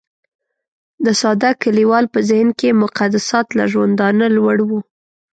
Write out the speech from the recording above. د ساده کليوال په ذهن کې مقدسات له ژوندانه لوړ وو.